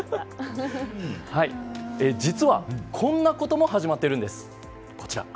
実は、こんなことも始まっているんです。